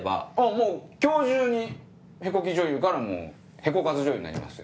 もう今日中に屁こき女優から屁こかず女優になりますよ。